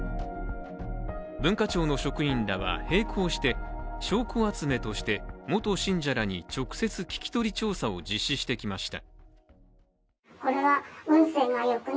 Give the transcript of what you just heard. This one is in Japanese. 文化庁の職員らは並行して、証拠集めとして元信者らに直接、聞き取り調査を実施してきました。